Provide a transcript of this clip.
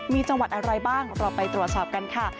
มีจังหวัดอะไรบ้างเราไปตรวจสอบกันค่ะ